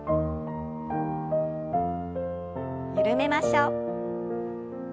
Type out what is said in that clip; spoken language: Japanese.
緩めましょう。